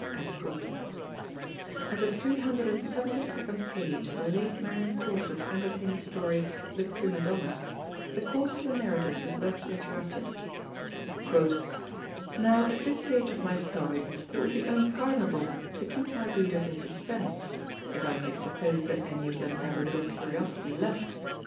At the three hundred and seventy second page of the late Marion Crawford's entertaining story, The Prima Donna, the course of the narrative is thus interrupted: "Now at this stage of my story it would be unpardonable to keep my readers in suspense, if I may suppose that any of them have a little curiosity left.